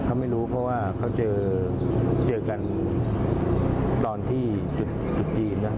เขาไม่รู้เพราะว่าเขาเจอกันตอนที่จุดจีนนะ